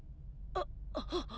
あっ。